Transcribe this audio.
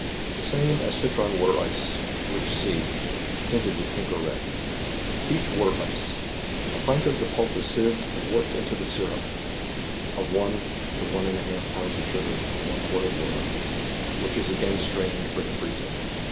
The same as " Citron Water Ice," which see, tinted with pink or red. $cacl) mater % ce. A . p iat of the p u1 p is sieved and worked into the syrup (of one to one and a half pounds of sugar WA TER ICES. 45 to one quart of water), which is again strained for the freezer.